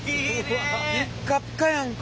ピッカピカやんか。